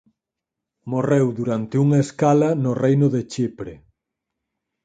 Morreu durante unha escala no Reino de Chipre.